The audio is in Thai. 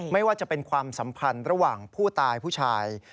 ไม่ว่าจะเป็นความสัมพันธ์ระหว่างผู้ตายผู้ชาย